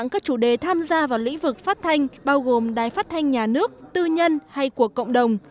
các chủ đề tham gia vào lĩnh vực phát thanh bao gồm đài phát thanh nhà nước tư nhân hay của cộng đồng